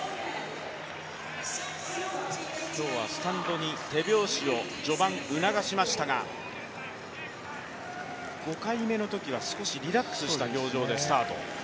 今日はスタンドに手拍子を序盤、促しましたが５回目のときは少しリラックスした表情でスタート。